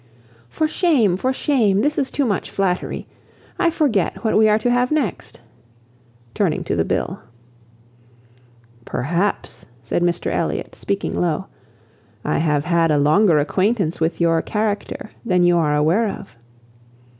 "For shame! for shame! this is too much flattery. I forget what we are to have next," turning to the bill. "Perhaps," said Mr Elliot, speaking low, "I have had a longer acquaintance with your character than you are aware of."